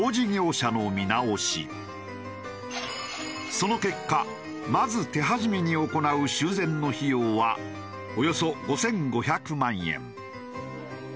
その結果まず手始めに行う修繕の費用はおよそ５５００万円。